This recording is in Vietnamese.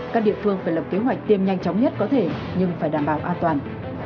các địa phương phải lập kế hoạch tiêm nhanh chóng nhất có thể nhưng phải đảm bảo an toàn